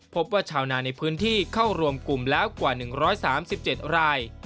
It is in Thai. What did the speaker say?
พบว่าชาวนาในพื้นที่เข้ารวมกลุ่มแล้วกว่า๑๓๗ราย